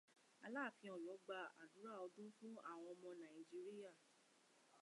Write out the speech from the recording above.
Aláàfin Ọ̀yọ́ gba àdúrà ọdún fún àwọn ọmọ Nàìjíríà.